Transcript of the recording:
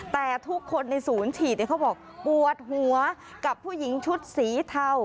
แต่ทุกคนในศูนย์ฉีดเขาบอกปวดหัวกับผู้หญิงชุดสีเทา